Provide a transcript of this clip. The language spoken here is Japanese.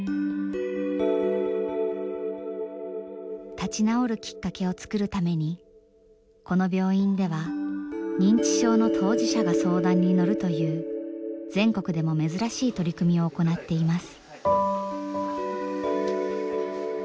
立ち直るきっかけを作るためにこの病院では認知症の当事者が相談に乗るという全国でも珍しい取り組みを行っています。